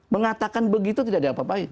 mengatakan begitu tidak diapa apain